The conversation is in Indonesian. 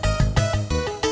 gak usah bayar